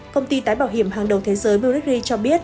công ty tái bảo hiểm hàng đầu thế giới munich re cho biết